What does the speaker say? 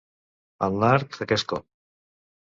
En l'art, aquest cop.